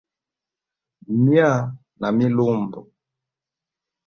Myaa na milumbo.